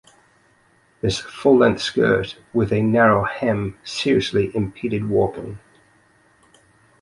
This full-length skirt with a narrow hem seriously impeded walking.